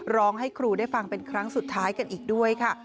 ร้องให้ครูได้ฟังเป็นครั้งสุดท้ายกันอีกด้วยค่ะ